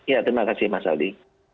ya terima kasih mas aldi